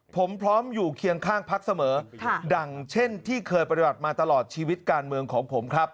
ผมพร้อมอยู่เคียงข้างพักเสมอดังเช่นที่เคยปฏิบัติมาตลอดชีวิตการเมืองของผมครับ